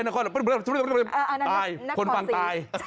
ก็หนังนั้นรูปตายคนฟังตาย